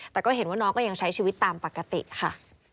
แต่ก็เห็นว่าน้องก็ยังใช้ชีวิตตามปกติค่ะ